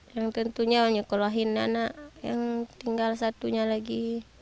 yang tentunya menyekolahin anak yang tinggal satunya lagi